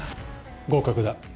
合格だ。